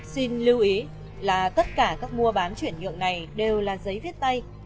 xin lưu ý là tất cả các mua bán chuyển nhượng này đều là giấy viết tay